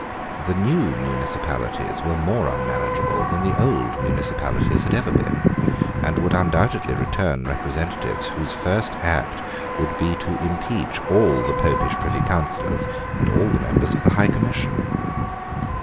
The new municipalities were more unmanageable than the old municipalities had ever been, and would undoubtedly return representatives whose first act would be to impeach all the Popish Privy Councillors, and all the members of the High Commission.